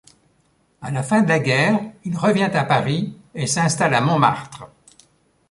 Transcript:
À la fin de la guerre, il revient à Paris et s’installe à Montmartre.